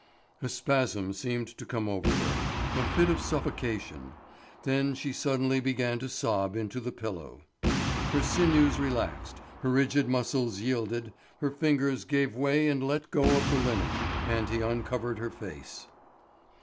A spasm seemed to come over her, a fit of suffocation; then she suddenly began to sob into the pillow. Her sinews relaxed, her rigid muscles yielded, her fingers gave way and left go of the linen; and he uncovered her face.